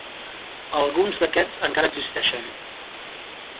Alguns d'aquests encara existeixen.